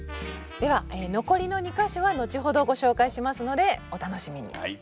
では残りの２か所は後ほどご紹介しますのでお楽しみに。